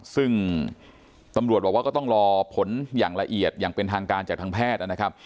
ซึ่งตำรวจบอกว่าก็ต้องรอผลอย่างละเอียดอย่างเป็นทางการจากทางแพทย์นะครับ